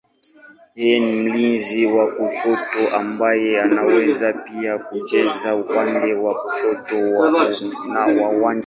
Yeye ni mlinzi wa kushoto ambaye anaweza pia kucheza upande wa kushoto wa uwanja.